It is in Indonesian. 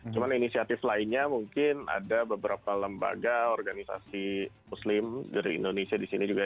cuman inisiatif lainnya mungkin ada beberapa lembaga organisasi muslim dari indonesia di sini juga